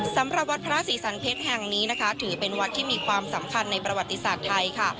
สำหรับวัดพระศรีสันเพชรแห่งนี้นะคะถือเป็นวัดที่มีความสำคัญในประวัติศาสตร์ไทยค่ะ